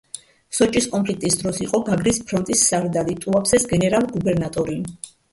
სოჭის კონფლიქტის დროს იყო გაგრის ფრონტის სარდალი, ტუაფსეს გენერალ-გუბერნატორი.